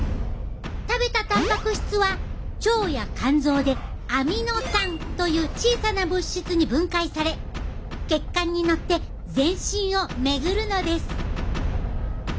食べたたんぱく質は腸や肝臓でアミノ酸という小さな物質に分解され血管に乗って全身を巡るのです。